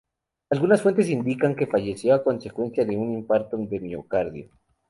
Algunas fuentes indican que falleció a consecuencia de un infarto de miocardio.